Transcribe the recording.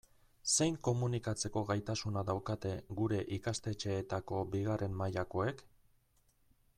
Zein komunikatzeko gaitasuna daukate gure ikastetxeetako bigarren mailakoek?